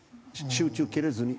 集中切れずに。